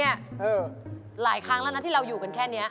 หลายครั้งแล้วนะที่เราอยู่กันแค่นี้